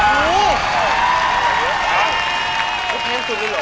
แพงกว่า